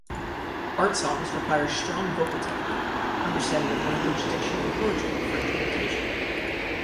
Art songs require strong vocal technique, understanding of language, diction and poetry for interpretation.